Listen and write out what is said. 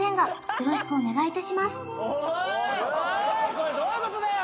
これどういうことだよ！